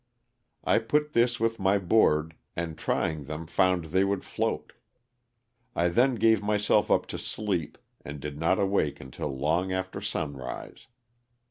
I put this with my board and trying them found they would float. I then gave myself up to sleep and did not awake until long after sunrise.